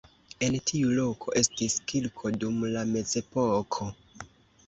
En tiu loko estis kirko dum la mezepoko.